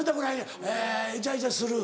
えイチャイチャする？